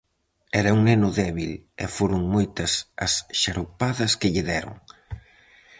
Era un neno débil e foron moitas as xaropadas que lle deron.